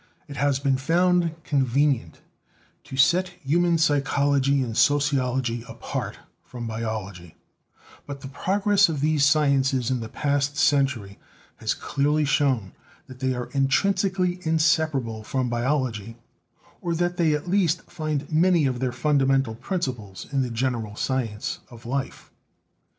It has been found convenient to set human psychology and sociology apart from biology, but the progress of these sciences in the past century has clearly shown that they are intrinsically inseparable from biology or that they at least find many of their fundamental principles in the gen eral science of life.